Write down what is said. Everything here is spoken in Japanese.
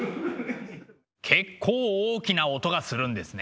結構大きな音がするんですね。